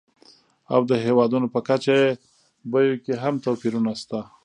او د هېوادونو په کچه یې بیو کې هم توپیرونه شته.